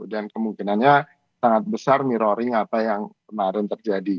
dan kemungkinannya sangat besar mirroring apa yang kemarin terjadi